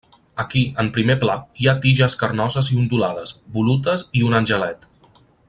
Aquí, en primer pla, hi ha tiges carnoses i ondulades, volutes i un angelet.